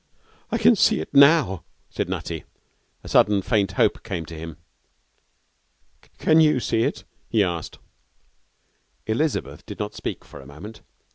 'I can see it now,' said Nutty. A sudden, faint hope came to him. 'Can you see it?' he asked. Elizabeth did not speak for a moment.